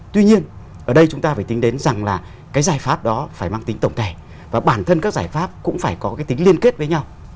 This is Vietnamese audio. tuy nhiên ở đây chúng ta phải tính đến rằng là cái giải pháp đó phải mang tính tổng thể và bản thân các giải pháp cũng phải có cái tính liên kết với nhau